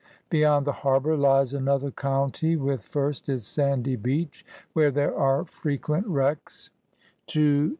Beyond the harbour lies another county, with, first, its sandy beach, where there are frequent wrecks — too NATURE TO THE INVALID.